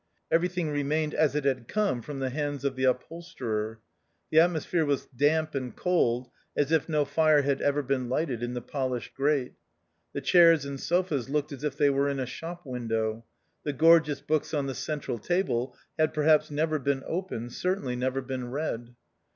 Everything remained as it had come from the hands of the upholsterer. The atmosphere was damp and cold, as if no fire had ever been lighted in the polished grate. The chairs and sofas looked as if they were in a shop window ; the gorgeous books on the central table had perhaps never been opened, certainly never been read.